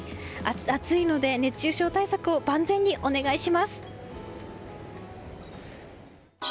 暑いので、熱中症対策を万全にお願いします！